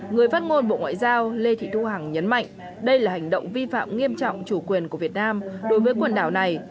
người phát ngôn bộ ngoại giao lê thị thu hằng nhấn mạnh đây là hành động vi phạm nghiêm trọng chủ quyền của việt nam đối với quần đảo này